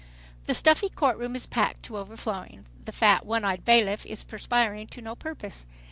The stuffy court room is packed to overflowing. The fat, one eyed bailiff is perspiring to no purpose.